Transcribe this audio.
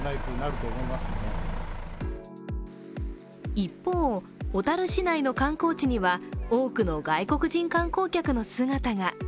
一方、小樽市内の観光地には多くの外国人観光客の姿が。